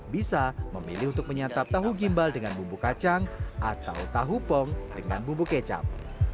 bisa memilih untuk menyantap tahu gimbal dengan bumbu kacang atau tahu pong dengan bubuk kecap